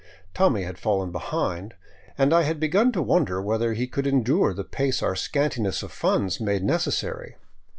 Tommy had fallen behind, and I had begun to wonder whether he could endure the pace our scantiness of funds made necessary.